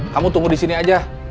kamu tunggu disini aja